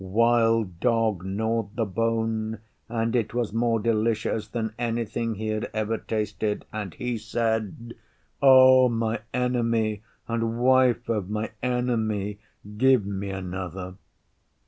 Wild Dog gnawed the bone, and it was more delicious than anything he had ever tasted, and he said, 'O my Enemy and Wife of my Enemy, give me another.